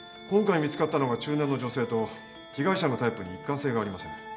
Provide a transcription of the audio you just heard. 今回見つかったのが中年の女性と被害者のタイプに一貫性がありません。